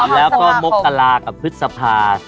แล้วก็มกรากับพฤษภา